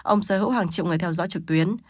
ông sở hữu hàng triệu người theo dõi trực tuyến